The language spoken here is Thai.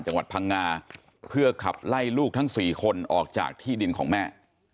จังหวัดพังงาเพื่อขับไล่ลูกทั้ง๔คนออกจากที่ดินของแม่